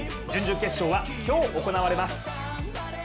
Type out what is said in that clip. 準々決勝は今日、行われます。